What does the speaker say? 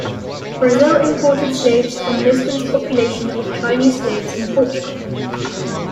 Brazil imported slaves from Lisbon's population of Chinese slaves in Portugal.